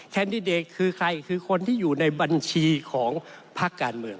แคนดิเดตคือใครคือคนที่อยู่ในบัญชีของภาคการเมือง